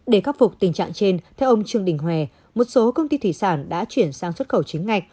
để khắc phục tình trạng trên theo ông trương đình hòe một số công ty thủy sản đã chuyển sang xuất khẩu chính ngạch